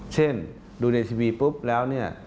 เช่นดูในทีวีปุ๊บแล้วเนี่ย